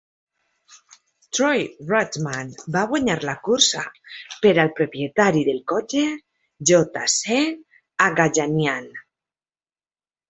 Troy Ruttman va guanyar la cursa per al propietari del cotxe J. C. Agajanian.